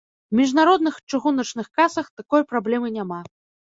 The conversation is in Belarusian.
У міжнародных чыгуначных касах такой праблемы няма.